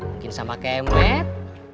mungkin sama kemen